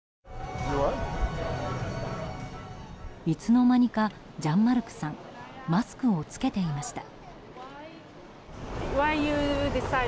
いつの間にか、ジャンマルクさんマスクを着けていました。